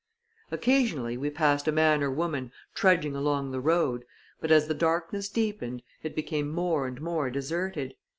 Occasionally we passed a man or woman trudging along the road, but as the darkness deepened, it became more and more deserted.